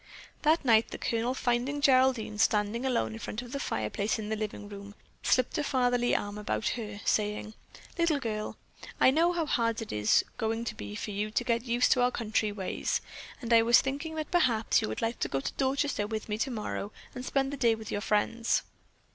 That night the Colonel, finding Geraldine standing alone in front of the fireplace in the living room, slipped a fatherly arm about her, saying: "Little girl, I know how hard it is going to be for you to get used to our country ways, and I was just thinking that perhaps you would like to go to Dorchester with me tomorrow and spend the day with your friends."